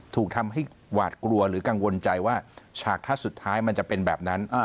ถูกทำให้หวาดกลัวหรือกังวลใจว่าฉากทัศน์สุดท้ายมันจะเป็นแบบนั้น